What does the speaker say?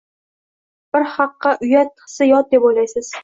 Bu xalqqa uyat hissi yot deb oʻylaysiz.